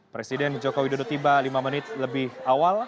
presiden joko widodo tiba lima menit lebih awal